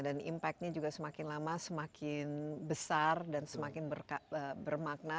dan impact nya juga semakin lama semakin besar dan semakin bermakna